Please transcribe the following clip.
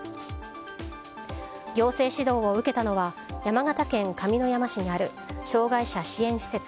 行政指導を受けたのは山形県上山市にある障害者支援施設